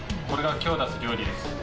これがきょう出す料理です。